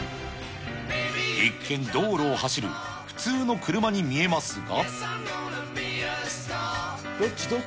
一見、道路を走る普通の車に見えますが。